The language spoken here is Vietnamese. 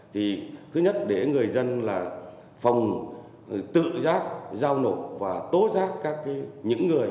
thứ nhất để người dân là phòng tự giác giao nộp và tố giác các cái những người